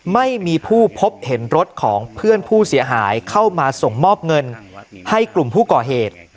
ไม่มีผู้พบเห็นรถของเพื่อนผู้เสียหายเข้ามาส่งมอบเงินให้กลุ่มผู้ก่อเหตุ